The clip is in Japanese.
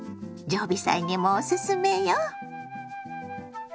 常備菜にもおすすめよ。